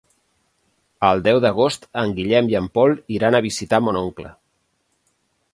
El deu d'agost en Guillem i en Pol iran a visitar mon oncle.